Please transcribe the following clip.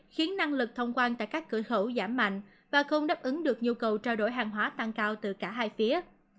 khiến năng lực thông quan tại các cửa khẩu giảm mạnh và không đáp ứng được nhu cầu trao đổi hàng hóa tăng cao từ cả hai phía